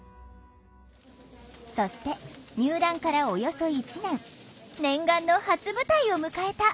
そして入団からおよそ１年念願の初舞台を迎えた。